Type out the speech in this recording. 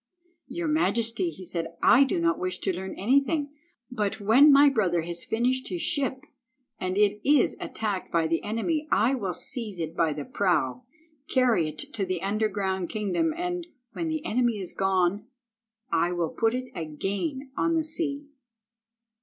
"Your majesty," said he, "I do not wish to learn anything, but, when my brother has finished his ship, and it is attacked by the enemy, I will seize it by the prow, carry it to the underground kingdom, and, when the enemy is gone, I will put it again on the sea."